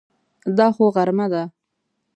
دا خو غرمه ده!